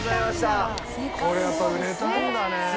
これやっぱ売れたんだね。